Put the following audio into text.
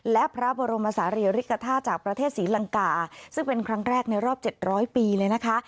และพระบรมศาลีริกฐาจากประเทศศรีลังกาซึ่งเป็นครั้งแรกในรอบ๗๐๐ปีเลยนะคะ